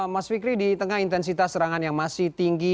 mas fikri di tengah intensitas serangan yang masih tinggi